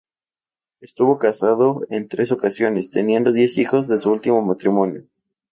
Estuvo casado en tres ocasiones, teniendo diez hijos de su último matrimonio.